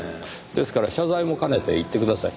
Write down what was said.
ですから謝罪も兼ねて行ってください。